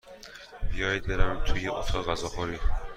بیایید برویم توی اتاق غذاخوری.